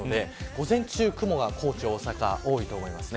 午前中、雲が高知、大阪は多いと思います。